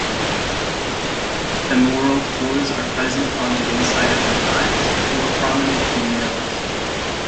Femoral pores are present on the inside of the thighs, more prominent in males.